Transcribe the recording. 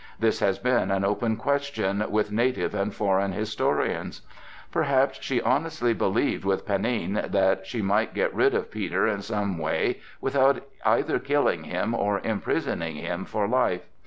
This has been an open question with native and foreign historians. Perhaps she honestly believed with Panin that she might get rid of Peter in some way without either killing him or imprisoning him for life.